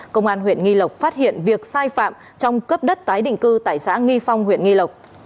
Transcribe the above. công an huyện nghi lộc phát hiện việc sai phạm trong cấp đất tái định cư tại xã nghi phong huyện nghi lộc